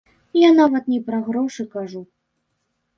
Я нават не пра грошы кажу.